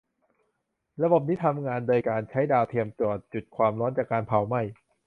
ระบบนี้ทำงานโดยการใช้ดาวเทียมตรวจจุดความร้อนจากการเผาไหม้